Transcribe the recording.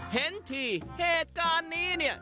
เห็นทีเหตุการณ์นี้เนี่ย